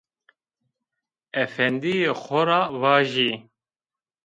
Efendîyê xo ra vajî